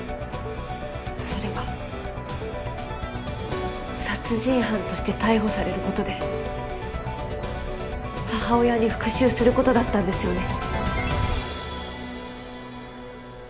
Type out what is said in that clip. それは殺人犯として逮捕されることで母親に復讐することだったんですよね？